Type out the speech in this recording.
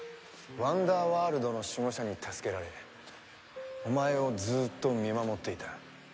ワンダーワールドの守護者に助けられお前をずっと見守っていた。